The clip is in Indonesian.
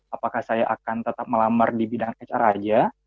apakah saya akan tetap melamar di bidang hr aja